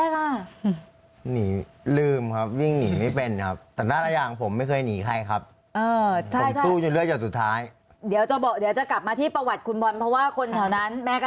คือว่าเธอนี่นะครับก็ทักไปไกลไปนิดหนึ่งเลยอ่ะ